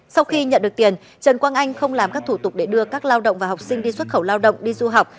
sau khi nhận được tiền trần quang anh không làm các thủ tục để đưa các lao động và học sinh đi xuất khẩu lao động đi du học